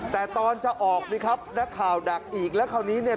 แต่ตอนจะออกนี่ครับนักข่าวดักอีกแล้วคราวนี้เนี่ย